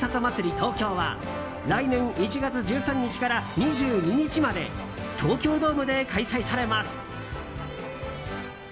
東京は来年１月１３日から２２日まで東京ドームで開催されます。